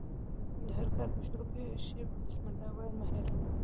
د هر کار په شروع کښي بسم الله ویل مه هېروئ!